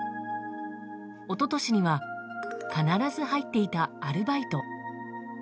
一昨年には必ず入っていたアルバイト。